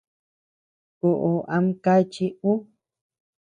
Koʼó ama kàchi uu.